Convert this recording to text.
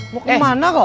mau kemana kok